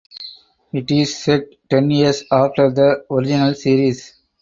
It is set ten years after the original series.